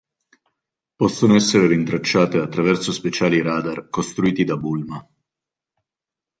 Possono essere rintracciate attraverso speciali radar costruiti da Bulma.